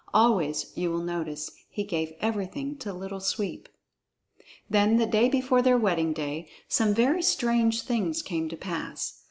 Always, you will notice, he gave everything to Little Sweep. Then the day before their wedding day, some very strange things came to pass.